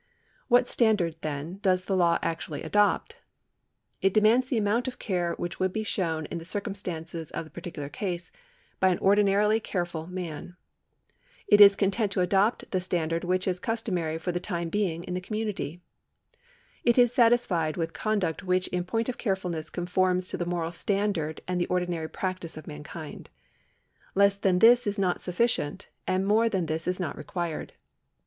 What standard, then, does the law actually adopt ? It demands the amount of care which would be shown in the circumstances of the particular case by an ordinarily careful man. It is content to adopt the standard which is cus tomary for the time being in the community. It is satisfied with conduct which in point of carefulness conforms to the moral standard and the ordinary practice of mankind. Less than this is not sufficient, and more than this is not required.